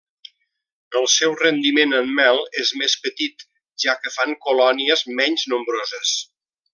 El seu rendiment en mel és més petit, ja que fan colònies menys nombroses.